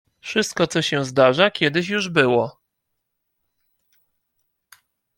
"Wszystko, co się zdarza, kiedyś już było."